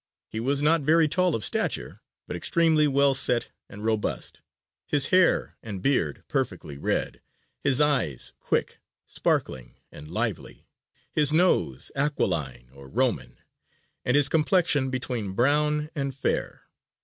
He was not very tall of stature, but extremely well set and robust. His hair and beard perfectly red; his eyes quick, sparkling and lively; his nose aquiline or Roman; and his complexion between brown and fair.